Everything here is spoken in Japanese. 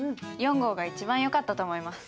４号が一番よかったと思います。